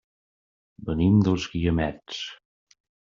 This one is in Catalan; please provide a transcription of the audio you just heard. Venim dels Guiamets.